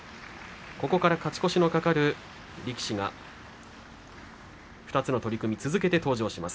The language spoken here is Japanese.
ここから勝ち越しの懸かる力士が２人続けて登場します。